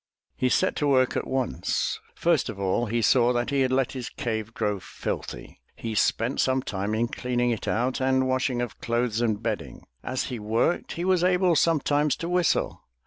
'' He set to work at once. First of all he saw that he had let his cave grow filthy. He spent some time in cleaning it out and washing of clothes and bedding. As he worked he was able some times to whistle.